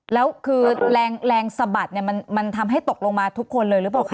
แล้วคือแรงสะบัดมันทำให้ตกลงมาทุกคนเลยหรือเปล่าคะ